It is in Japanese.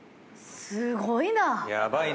すごいな！